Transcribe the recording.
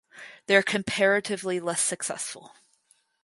They are comparatively less successful.